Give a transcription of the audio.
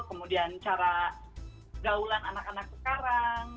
kemudian cara gaulan anak anak sekarang